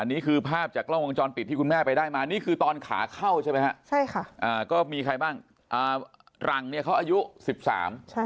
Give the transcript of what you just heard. อันนี้คือภาพจากกล้องวงจรปิดที่คุณแม่้ไปได้มานี่คือตอนขาเข้าใช่ไหม